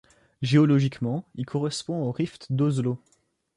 Géologiquement, il correspond au rift d'Oslo.